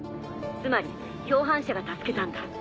つまり共犯者が助けたんだ。